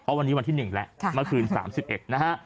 เพราะวันนี้วันที่๑แล้วเมื่อคืน๓๑นะฮะ